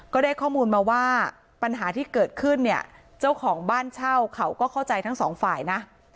ก็ได้ข้อมูลมาว่าปัญหาที่เกิดขึ้นเนี่ยเจ้าของบ้านเช่าเขาก็เข้าใจทั้งสองฝ่ายนะ